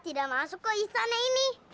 tidak masuk ke istana ini